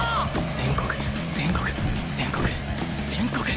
全国全国全国全国！